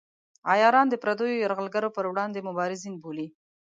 عیاران د پردیو یرغلګرو پر وړاندې مبارزین بولي.